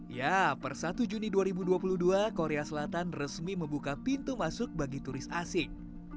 ya per satu juni dua ribu dua puluh dua korea selatan resmi membuka pintu masuk bagi turis asing